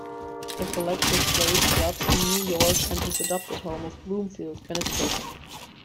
The collective plays clubs in New York and his adopted home of Bloomfield, Connecticut.